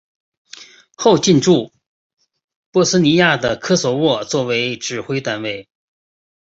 后来进驻波斯尼亚和科索沃作为指挥单位。